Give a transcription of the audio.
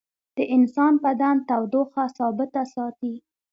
د انسان بدن تودوخه ثابته ساتي